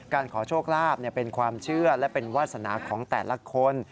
ขอโชคลาภเป็นความเชื่อและเป็นวาสนาของแต่ละคน